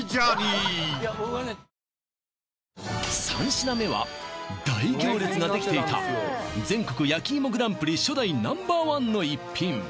３品目は大行列ができていた全国やきいもグランプリ初代Ｎｏ．１の逸品